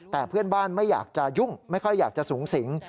แต่เพื่อนบ้านไม่อยากจะยุ่งไม่ค่อยอยากจะสูงสิง